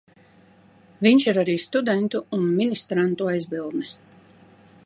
Viņš ir arī studentu un ministrantu aizbildnis.